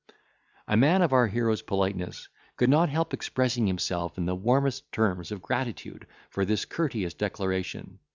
A man of our hero's politeness could not help expressing himself in the warmest terms of gratitude for this courteous declaration.